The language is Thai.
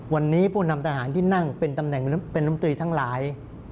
วันนี้ผู้นำทหารที่นั่งเป็นตำแหน่งเป็นน้ำตรีทั้งหลาย